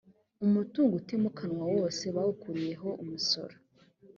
umutungo utimukanwa wose bawukuriyeho umusoro